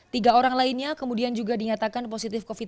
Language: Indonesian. tiga orang lainnya kemudian juga dinyatakan positif covid sembilan belas